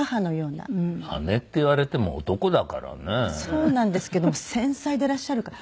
そうなんですけども繊細でいらっしゃるから。